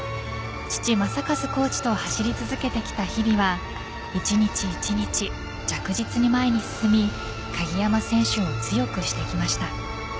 父・正和コーチと走り続けてきた日々は一日一日、着実に前に進み鍵山選手を強くしてきました。